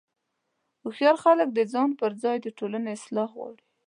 هوښیار خلک د ځان پر ځای د ټولنې اصلاح غواړي.